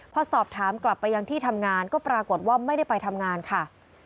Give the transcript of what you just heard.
พอสอบถามกลับไปยังที่ทำงานก็ปรากฏว่าไม่ได้ไปทำงานค่ะ